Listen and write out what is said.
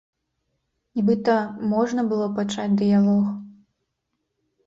Нібыта можна было пачаць дыялог.